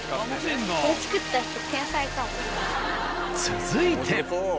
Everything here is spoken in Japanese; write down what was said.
続いて。